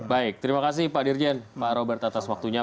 baik terima kasih pak dirjen pak robert atas waktunya